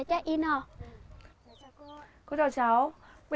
thu long ơi